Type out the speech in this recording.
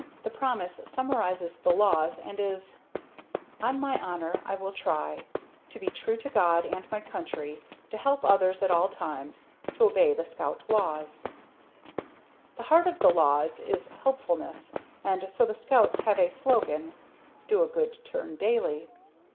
The Promise summarizes the Laws and is: On My Honor, I Will Try: To be true to God and my country To help others at all times To obey the Scout Laws The heart of the Laws is helpfulness and so the Scouts have a Slogan: Do a Good Turn Daily.